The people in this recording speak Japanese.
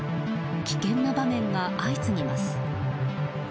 危険な場面が相次ぎます。